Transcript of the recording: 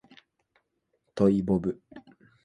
トイボブ